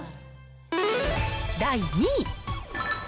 第２位。